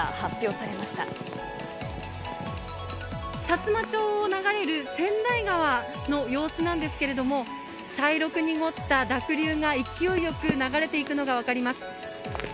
さつま町を流れる川内川の様子なんですけれども、茶色く濁った濁流が勢いよく流れていくのが分かります。